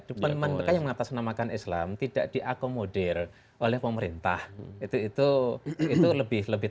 cuman mereka yang mengatasnamakan islam tidak diakomodir oleh pemerintah itu itu lebih lebih